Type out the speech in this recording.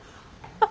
あっ！